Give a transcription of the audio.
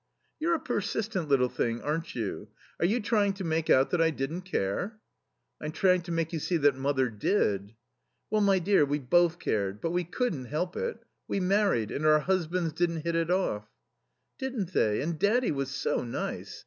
"You're a persistent little thing, aren't you? Are you trying to make out that I didn't care?" "I'm trying to make you see that mother did." "Well, my dear, we both cared, but we couldn't help it. We married, and our husbands didn't hit it off." "Didn't they? And daddy was so nice.